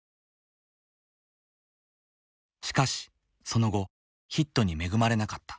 しかしその後ヒットに恵まれなかった。